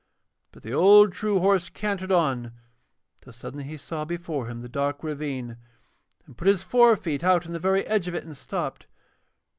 But the old true horse cantered on till suddenly he saw before him the dark ravine and put his forefeet out on the very edge of it and stopped.